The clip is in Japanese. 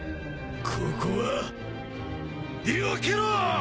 ここはよけろ！